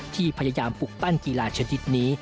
ที่พยายามปลุกปั้นกีฬาชนิดนี้